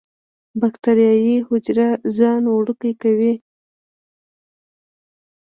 باکټریايي حجره ځان وړوکی کوي.